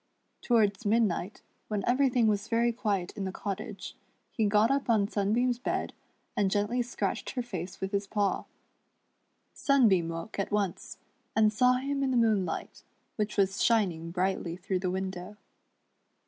Towards mid night, when everything was very quiet in the cottage, he got up on Sunbeam's bed, and gently scratched her face with his paw. Sunbeam woke at once, and saw him in the moonlight, which was shining brightly through the window.